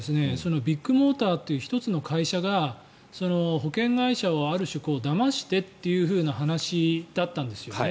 ビッグモーターという１つの会社が保険会社をある種だましてという話だったんですよね。